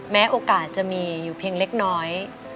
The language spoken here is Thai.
โอกาสจะมีอยู่เพียงเล็กน้อย